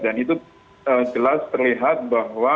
dan itu jelas terlihat bahwa